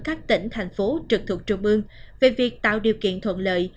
các tỉnh thành phố trực thuộc trung ương về việc tạo điều kiện thuận lợi